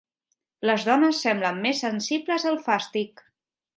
Les dones semblen més sensibles al fàstic.